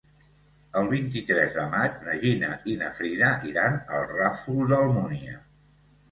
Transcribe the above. El vint-i-tres de maig na Gina i na Frida iran al Ràfol d'Almúnia.